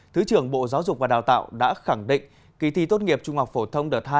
thứ trưởng bộ giáo dục và đào tạo đã khẳng định kỳ thi tốt nghiệp trung học phổ thông đợt hai